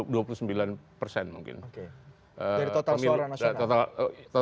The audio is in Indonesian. dari total seorang nasional